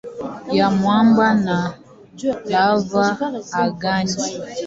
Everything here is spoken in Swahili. ya mwamba na lava angani.